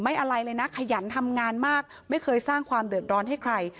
อะไรเลยนะขยันทำงานมากไม่เคยสร้างความเดือดร้อนให้ใคร